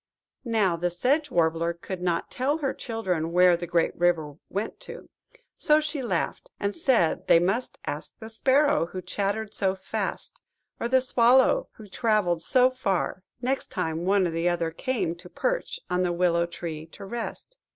Now, the Sedge Warbler could not tell her children where the great river went to; so she laughed, and said they must ask the Sparrow who chattered so fast, or the Swallow who travelled so far, next time one or other came to perch on the willow tree to rest.